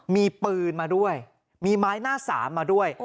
มีปืนมาด้วยมีไม้หน้าสามมาด้วย